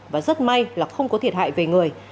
và rất may là không có thiệt hại về người